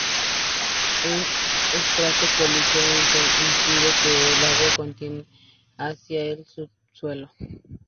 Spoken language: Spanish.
Un estrato calizo inferior impide que el agua continúe hacia el subsuelo.